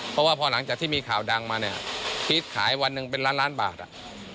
เพราะว่าพอหลังจากที่มีข่าวดังมาเนี่ยพีชขายวันหนึ่งเป็นล้านล้านบาทอ่ะ